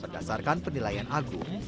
berdasarkan penilaian agung